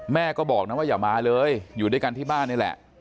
แม่ก็บอกนะว่าอย่ามาเลยอยู่ด้วยกันที่บ้านนี่แหละ